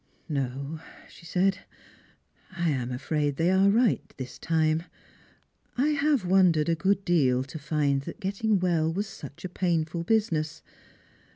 "No," she said, "lam afraid they are right this time; J have wondered a good deal to find that getting well was such a painful business.